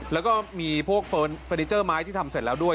แล้วก็มีพวกเฟอร์นิเจอร์ไม้ที่ทำเสร็จแล้วด้วย